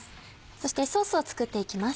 そしてソースを作って行きます。